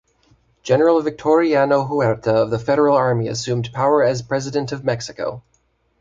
General Victoriano Huerta of the Federal Army assumed power as President of Mexico.